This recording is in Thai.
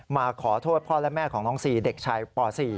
มาขอโทษพ่อและแม่ของน้องซีเด็กชายป๔